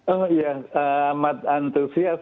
oh ya amat antusias